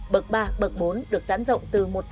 bậc ba bậc bốn được giãn rộng tới chín mươi hai kwh